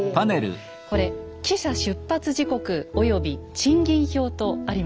これ「汽車出発時刻及賃金表」とあります。